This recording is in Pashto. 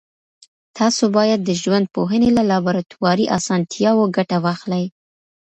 تاسو باید د ژوندپوهنې له لابراتواري اسانتیاوو ګټه واخلئ.